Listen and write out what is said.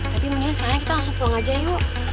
tapi mendingan sekarang kita langsung pulang aja yuk